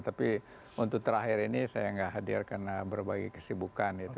tapi untuk terakhir ini saya nggak hadir karena berbagai kesibukan gitu